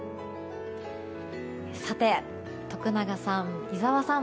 さて徳永さん、井澤さん